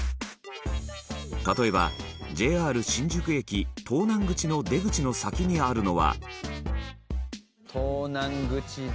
例えば、ＪＲ新宿駅東南口の出口の先にあるのはウエンツ：東南口で？